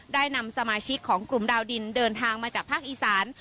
ได้นำสมาชิกของกลุ่มดาวดินเดินทางมาจากภาคอีสาน